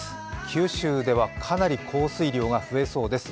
九州ではかなり降水量が増えそうです。